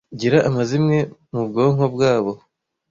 gira amazimwe mu bwonko bwabo